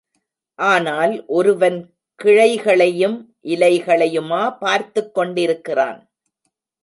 ஆனால் ஒருவன் கிளைகளையும், இலைகளையுமா பார்த்துக் கொண்டிருக்கிறான்.